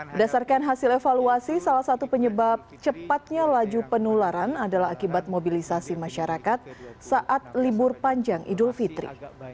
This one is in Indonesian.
berdasarkan hasil evaluasi salah satu penyebab cepatnya laju penularan adalah akibat mobilisasi masyarakat saat libur panjang idul fitri